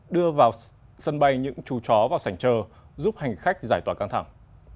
đưa vào sân bay những trù chó vào sảnh trờ giúp hành khách giải tỏa căng thẳng